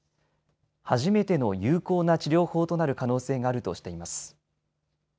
初めての有効な治療法となる可能性があるとしています。